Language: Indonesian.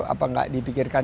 apa enggak dipikirkan